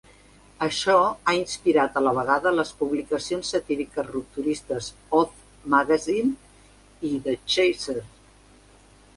Això ha inspirat, a la vegada, les publicacions satíriques rupturistes "Oz Magazine" i "The Chaser".